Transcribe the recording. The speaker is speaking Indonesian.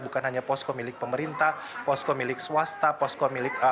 bukan hanya posko milik pemerintah posko milik swasta posko milik